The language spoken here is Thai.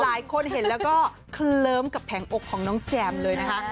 หลายคนเห็นแล้วก็เคลิ้มกับแผงอกของน้องแจมเลยนะคะ